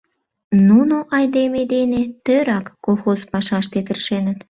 Нуно айдеме дене тӧрак колхоз пашаште тыршеныт.